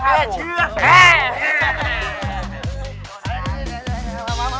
แก้เชื้อหรือแก้พัก